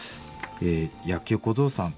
野球小僧さん。